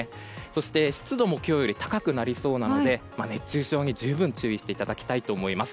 そして、湿度も今日より高くなりそうなので熱中症に十分注意していただきたいと思います。